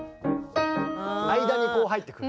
間にこう入ってくる。